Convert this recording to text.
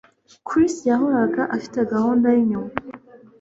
Chris yahoraga afite gahunda yinyuma